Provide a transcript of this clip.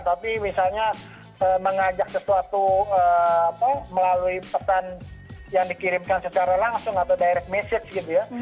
tapi misalnya mengajak sesuatu melalui pesan yang dikirimkan secara langsung atau direct message gitu ya